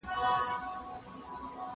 هغه څوک چي انځورونه رسم کوي هنر لري!؟